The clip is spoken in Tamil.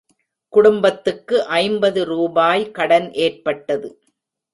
குடும்பத்துக்கு ஐம்பது ரூபாய் கடன் ஏற்பட்டது.